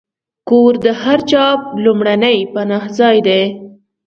کور د هر چا لومړنی پناهځای دی.